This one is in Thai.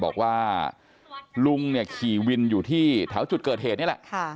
บอกว่าลุงเนี่ยขี่วินอยู่ที่แถวจุดเกิดเหตุนี่แหละ